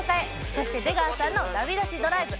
そして出川さんのナビなしドライブ。